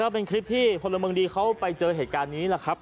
เป็นคลิปที่พลเมืองดีเขาไปเจอเหตุการณ์นี้แหละครับ